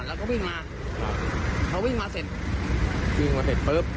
แล้วก็วิ่งมาครับเขาวิ่งมาเสร็จวิ่งมาเสร็จปุ๊บ